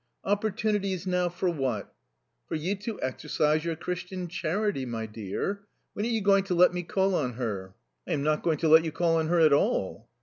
"Opportunities, now, for what?" "For you to exercise your Christian charity, my dear. When are you going to let me call on her?" "I am not going to let you call on her at all."